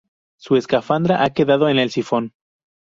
Su escafandra ha quedado en el sifón.